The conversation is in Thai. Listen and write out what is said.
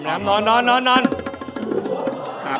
แม่หน้าของพ่อหน้าของพ่อหน้า